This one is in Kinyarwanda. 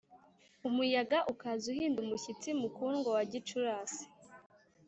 umuyaga ukaze uhinda umushyitsi mukundwa wa gicurasi,